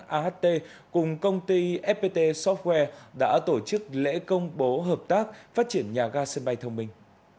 aht cùng công ty fpt software đã tổ chức lễ công bố hợp tác phát triển nhà ga sân bay thông minh